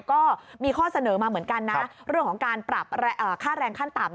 ก็มีข้อเสนอมาเหมือนกันนะเรื่องของการปรับค่าแรงขั้นต่ำ